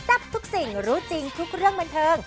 ทับทุกสิ่งรู้จริงทุกเรื่องบันเทิง